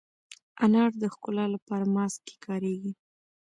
انار د ښکلا لپاره ماسک کې کارېږي.